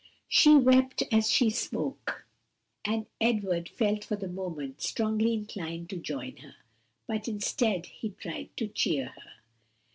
She wept as she spoke, and Edward felt for the moment strongly inclined to join her. But instead he tried to cheer her.